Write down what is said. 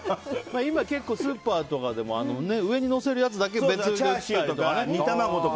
今、結構スーパーとかでも上にのせるやつだけ別売りになってたり。